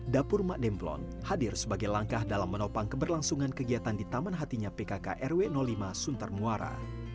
dapur mak demplon hadir sebagai langkah dalam menopang keberlangsungan kegiatan di taman hatinya pkk rw lima suntar muara